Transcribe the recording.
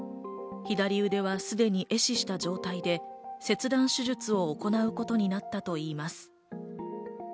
左腕はすでに壊死した状態で、切断手術を行うことになったといいます。